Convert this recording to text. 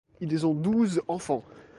Ils ont douze enfants.